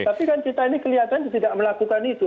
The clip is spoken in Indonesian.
tapi kan kita ini kelihatan tidak melakukan itu